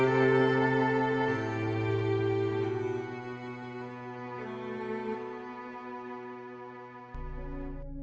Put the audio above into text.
ya sudah pak